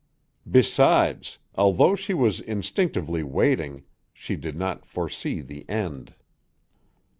Besides, although she was instinctively waiting, she did not foresee the end.